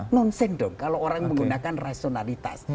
nonsen dong kalau orang menggunakan rasionalitas